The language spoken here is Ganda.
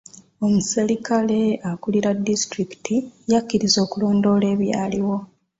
Omuserikale akulira disitulikiti yakirizza okulondoola ebyaliwo.